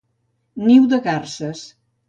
Niu de garses.